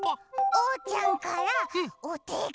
おうちゃんからおてがみです！